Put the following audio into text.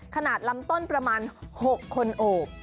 ขนาดลำต้นประมาณ๖คนโอบ